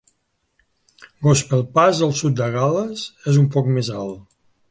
Gospel Pass al sud de Gal·les és un poc més alt.